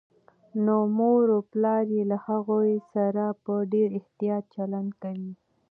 نو مور و پلار يې له هغوی سره په ډېر احتياط چلند کوي